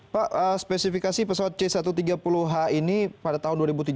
pak spesifikasi pesawat c satu ratus tiga puluh h ini pada tahun dua ribu tujuh belas